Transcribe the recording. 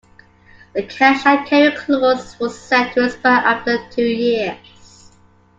The cash-and-carry clause was set to expire after two years.